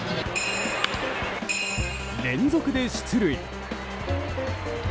連続で出塁！